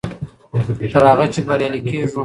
تر هغه چې بریالي کېږو.